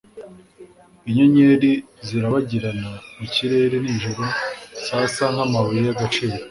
Inyenyeri zirabagirana mu kirere nijoro zasa nkamabuye y'agaciro.